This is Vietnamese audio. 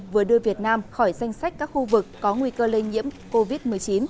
vừa đưa việt nam khỏi danh sách các khu vực có nguy cơ lây nhiễm covid một mươi chín